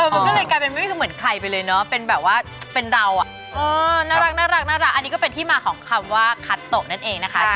มันก็เลยกลายเป็นไม่เคยเหมือนใครไปเลยเนาะเป็นแบบว่าเป็นเราน่ารักอันนี้ก็เป็นที่มาของคำว่าคัตโตะนั่นเองนะคะ